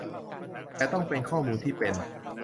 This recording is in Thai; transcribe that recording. แต่ต้องเป็นข้อมูลที่เป็น